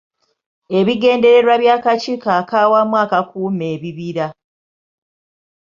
Ebigendererwa by'Akakiiko ak'Awamu Akakuuma Ebibira.